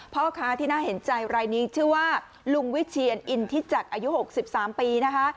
พ่อค้าที่น่าเห็นใจรายนี้ชื่อว่าลุงวิเชียนอินทิจักรอายุ๖๓ปีนะคะ